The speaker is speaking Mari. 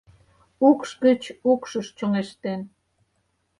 Укш гыч укшыш чоҥештен